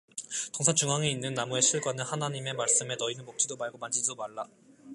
동산 중앙에 있는 나무의 실과는 하나님의 말씀에 너희는 먹지도 말고 만지지도 말라